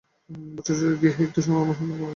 ভট্টাচার্যের গৃহে একটি সভা আহ্বান কর।